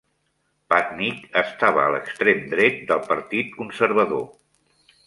Patnick estava a l'extrem dret del Partit Conservador.